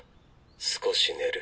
少し寝る。